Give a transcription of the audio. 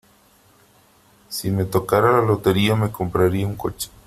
Si me tocara la lotería, me compraría un coche.